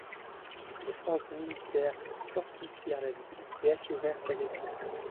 Les forces militaires fortifièrent la ville et assurèrent sa défense.